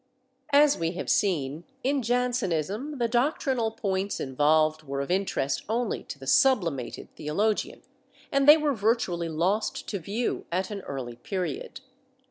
^ As we have seen, in Jansenism the doctrinal points involved were of interest only to the sublimated theologian and they were virtually lost to view at an early period.